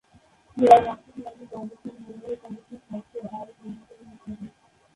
যেমন- আর্থ-সামাজিক অবস্থান, বৈবাহিক অবস্থান, স্বাস্থ্য, আয়, যৌন-জীবন ইত্যাদি।